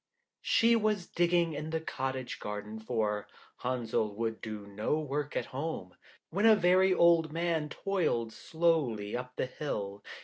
She was digging in the cottage garden, for Henzel would do no work at home, when a very old man toiled slowly up the hill.